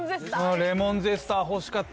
レモンゼスターおいしかった。